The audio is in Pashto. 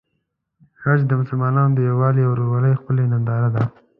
حج د مسلمانانو د یووالي او ورورولۍ ښکلی ننداره ده.